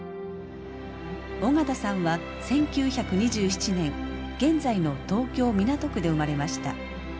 緒方さんは１９２７年現在の東京・港区で生まれました。